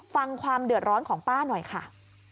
ความเดือดร้อนของป้าหน่อยค่ะ